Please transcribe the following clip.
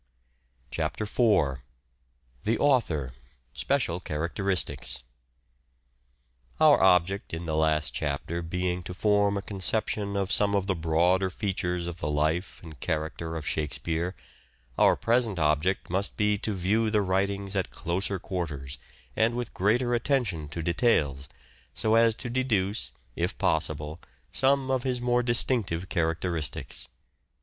CHAPTER IV THE AUTHOR — SPECIAL CHARACTERISTICS OUR object in the last chapter being to form a con ception of some of the broader features of the life and character of Shakespeare, our present object must be to view the writings at closer quarters and with greater attention to details so as to deduce, if possible, some of his more distinctive characteristics. Feudalism.